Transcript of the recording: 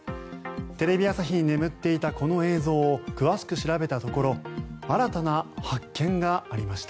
テレビ朝日に眠っていたこの映像を詳しく調べたところ新たな発見がありました。